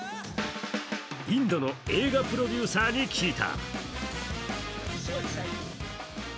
インドの映画プロデューサーに聞いた。